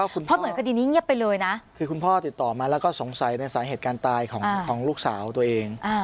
เพราะเหมือนคดีนี้เงียบไปเลยนะคือคุณพ่อติดต่อมาแล้วก็สงสัยในสาเหตุการณ์ตายของลูกสาวตัวเอง